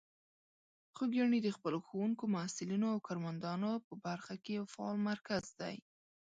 خوږیاڼي د خپلو ښوونکو، محصلینو او کارمندان په برخه کې یو فعال مرکز دی.